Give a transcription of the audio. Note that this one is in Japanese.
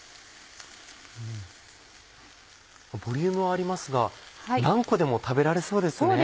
ボリュームはありますが何個でも食べられそうですね。